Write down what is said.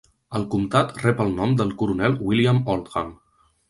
El comtat rep el nom del coronel William Oldham.